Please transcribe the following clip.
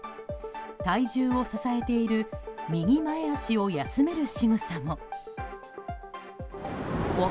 体重を支えている右前脚を休めるしぐさも。